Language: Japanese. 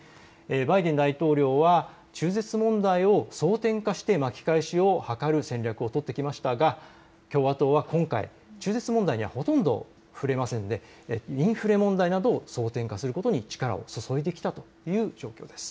バイデン大統領は中絶問題を争点化して巻き返しを図る戦略を取ってきましたが共和党は今回中絶問題にはほとんど触れませんで、インフレ問題などを争点化することに力を注いできたという状況です。